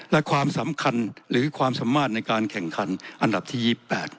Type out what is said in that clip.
และความสำคัญหรือความสามารถในการแข่งขันอันดับที่๒๘